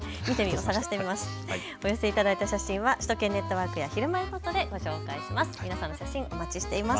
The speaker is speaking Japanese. お寄せいただいた写真は首都圏ネットワークやひるまえほっとなどで紹介します。